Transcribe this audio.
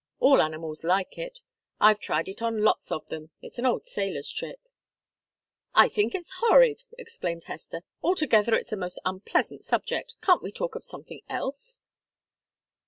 All animals like it. I've tried it on lots of them. It's an old sailors' trick." "I think it's horrid!" exclaimed Hester. "Altogether, it's a most unpleasant subject. Can't we talk of something else?"